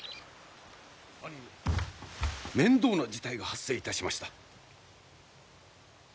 兄上面倒な事態が発生いたしました。